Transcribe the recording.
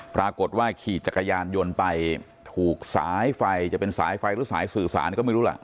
ปรากฏว่าขี่จักรยานยนต์ไปถูกสายไฟจะเป็นสายไฟหรือสายสื่อสารก็ไม่รู้ล่ะ